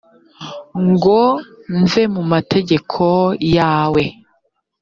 ngo mve mu mategeko yawe